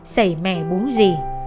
xảy mẹ muốn gì